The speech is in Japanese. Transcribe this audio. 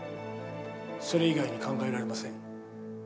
それ以外に考えられません。